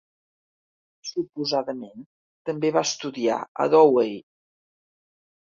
Suposadament també va estudiar a Douay.